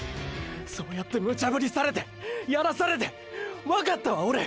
そうやってムチャぶりされてやらされてわかったわオレ！！